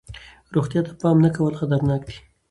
روغتیا ته پام نه کول خطرناک دی.